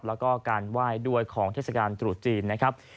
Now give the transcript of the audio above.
แล้วก็การไหว้ด้วยของเทศกาลตรุษจีนนะครับ